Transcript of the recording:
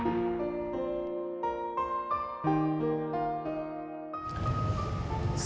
ibu yang mampu terima ibu